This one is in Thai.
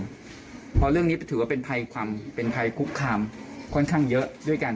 เพราะเรื่องนี้ถือว่าเป็นภัยคุกคำค่อนข้างเยอะด้วยกัน